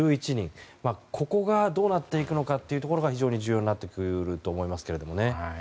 ここがどうなっていくのかというところが非常に重要になってくると思いますけれどね。